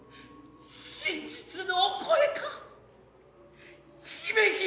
真実のお声か姫君。